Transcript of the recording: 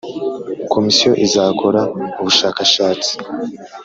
Komisiyo izakora ubushakashatsi